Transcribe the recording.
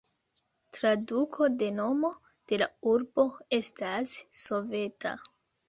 Traduko de nomo de la urbo estas "soveta".